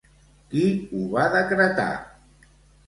Qui ho va decretar?